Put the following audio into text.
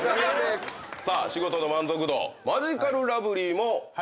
さあ仕事の満足度マヂカルラブリーも２。